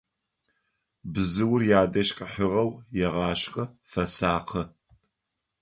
Бзыур ядэжь къыхьыгъэу егъашхэ, фэсакъы.